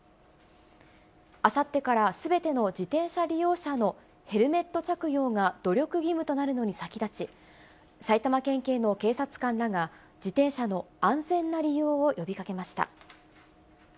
あさってからすべての自転車利用者のヘルメット着用が努力義務となるのに先立ち、埼玉県警の警察官らが、自転車の安全な利用を呼びかけました。